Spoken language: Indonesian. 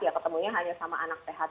ya ketemunya hanya sama anak sehat